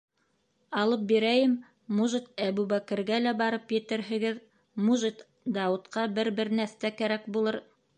Алып бирәйем, мужит, Әбүбәкергә лә барып етерһегеҙ, мужит, Дауытҡа бер-бер нәҫтә кәрәк булыр...